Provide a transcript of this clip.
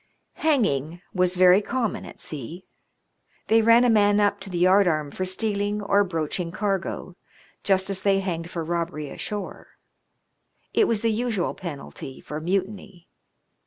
Hanging was very common at sea. They ran a man up to the yardarm for stealing or broaching cargo just as they hanged for robbery ashore. It was the usual penalty for mutiny.